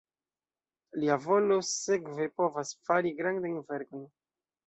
Lia volo sekve povas fari grandajn verkojn.